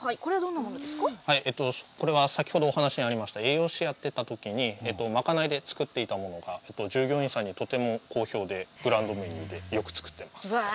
これは先ほど話にありました、栄養士やってたときに、まかないで作っていたものが、従業員さんにとても好評でグランドメニューでよく作ってます。